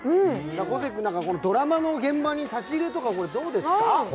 小関君、ドラマの現場に差し入れとかどうですか？